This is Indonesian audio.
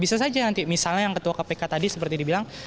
bisa saja nanti misalnya yang ketua kpk tadi seperti dibilang